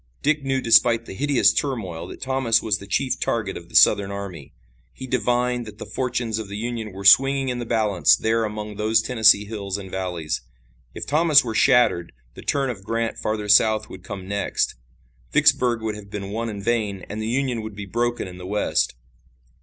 Dick knew despite the hideous turmoil that Thomas was the chief target of the Southern army. He divined that the fortunes of the Union were swinging in the balance there among those Tennessee hills and valleys. If Thomas were shattered the turn of Grant farther south would come next. Vicksburg would have been won in vain and the Union would be broken in the West.